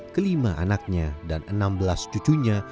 kelima anaknya dan enam belas cucunya